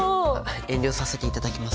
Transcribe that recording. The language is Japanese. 遠慮させていただきます。